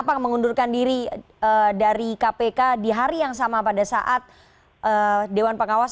bahkan kami tidak bisa mencegah